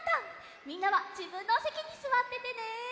みんなはじぶんのおせきにすわっててね。